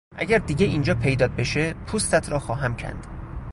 اگر دیگه اینجا پیدات بشه پوستت را خواهم کند!